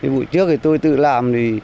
bữa trước tôi tự làm